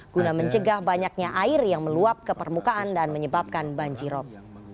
guna mencegah banyaknya air yang meluap ke permukaan dan menyebabkan banjirop